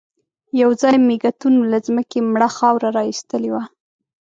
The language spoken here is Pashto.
يوځای مېږتنو له ځمکې مړه خاوره را ايستلې وه.